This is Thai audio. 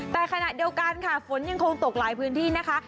แต่ขณะเดียวกันค่ะฝนยังคงตกหลายพื้นที่นะคะ